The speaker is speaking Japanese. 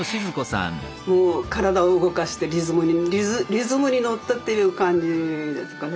もう体を動かしてリズムに乗ってっていう感じですかね。